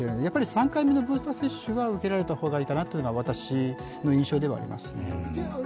３回目のブースター接種は受けられた方がいいかなというのは私の印象ではあります。